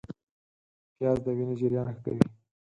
پیاز د وینې جریان ښه کوي